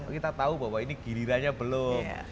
kita tahu bahwa ini gilirannya belum